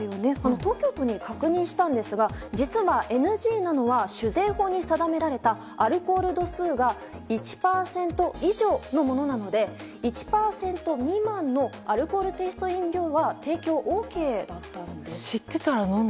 東京都に確認したんですが実はＮＧなのは酒税法に定められたアルコール度数が１％以上のものなので１％未満のアルコールテイスト飲料は提供ＯＫだったんです。